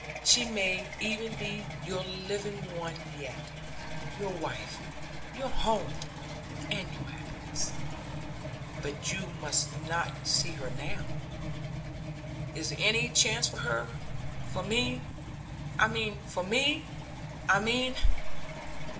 She may even be your living one yet, your wife, your home, and your happiness. But you must not see her now.' 'Is there any chance for her? For me, I mean; for me, I mean?'